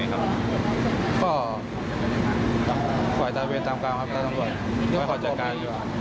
นี้ครับช่วยถามตามตามนะครับการขอจำการ